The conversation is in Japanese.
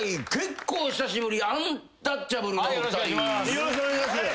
よろしくお願いします。